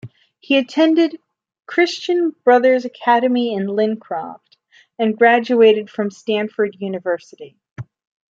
He attended Christian Brothers Academy in Lincroft, and graduated from Stanford University.